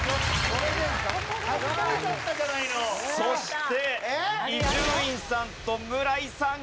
そして伊集院さんと村井さん